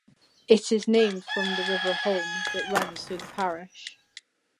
It is named from the River Holme that runs through the parish.